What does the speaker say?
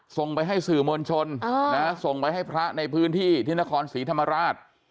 ส่งไปให้สื่อมวลชนส่งไปให้พระในพื้นที่ที่นครศรีธรรมราช